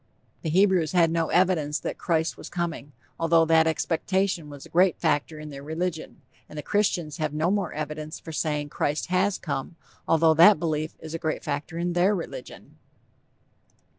The Hebrews had no evidence that 'Christ' was coming, although that expectation was a great factor in their religion; and the Christians have no more evidence for saying 'Christ' has come, although that belief is a great factor in their religion.